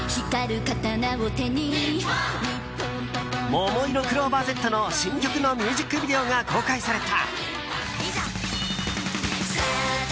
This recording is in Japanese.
ももいろクローバーＺの新曲のミュージックビデオが公開された。